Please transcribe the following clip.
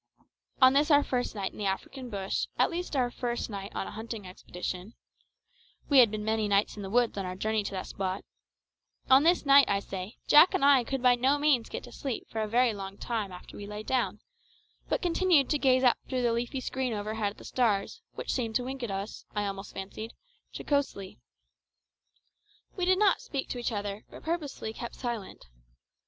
On this our first night in the African bush, at least our first night on a hunting expedition we had been many nights in the woods on our journey to that spot on this night, I say, Jack and I could by no means get to sleep for a very long time after we lay down, but continued to gaze up through the leafy screen overhead at the stars, which seemed to wink at us, I almost fancied, jocosely. We did not speak to each other, but purposely kept silence.